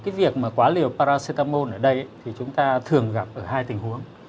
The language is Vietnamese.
cái việc mà quá liều paracetamol ở đây thì chúng ta thường gặp ở hai tình huống